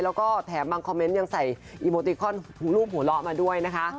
แล้วก็แถมบางคอมเมนต์ยังใส่อีโมติคอนรูปหัวเราะมาด้วยนะคะ